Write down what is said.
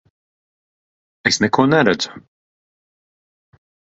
Es neko neredzu!